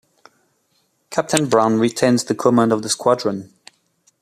Captain Brown retained the command of the squadron.